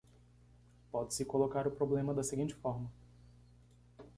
Pode-se colocar o problema da seguinte forma